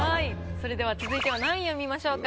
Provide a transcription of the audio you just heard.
それでは続いては何位を見ましょうか？